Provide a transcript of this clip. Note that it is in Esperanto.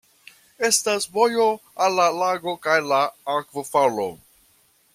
Estas vojo al la lago kaj la akvofalo.